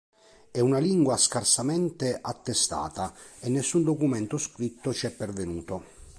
È una lingua scarsamente attestata e nessun documento scritto ci è pervenuto.